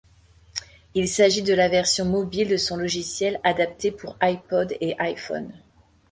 Il s'agit de la version mobile de son logiciel, adaptée pour iPod et iPhone.